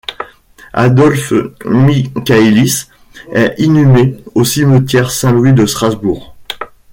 Adolf Michaelis est inhumé au Cimetière Saint-Louis de Strasbourg.